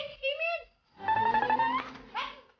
pegang yang benar